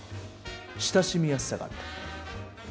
親しみやすさがあった。